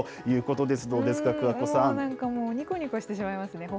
なんかもう、にこにこしてしまいますね。